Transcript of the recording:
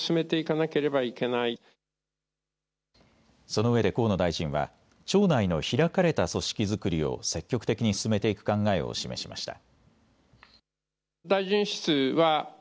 そのうえで河野大臣は庁内の開かれた組織作りを積極的に進めていく考えを示しました。